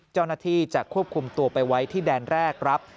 เจ้าหน้าที่จะควบคุมตัวไปไว้ที่แดนแรกครับ